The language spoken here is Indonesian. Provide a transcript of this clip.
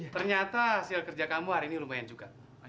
ternyata hasil kerja kamu hari ini lumayan juga